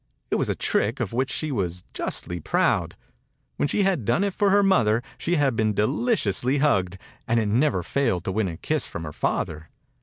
It was a trick of which she was justly proud. When she had done it for her mother she had been de liciously hugged, and it never failed to win a kiss from her father.